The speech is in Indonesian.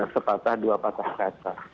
sepatah dua patah kata